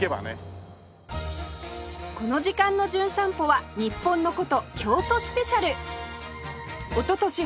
この時間の『じゅん散歩』は日本の古都京都スペシャル一昨年